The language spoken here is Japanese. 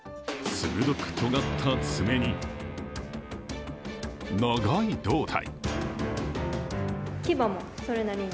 鋭くとがった爪に、長い胴体。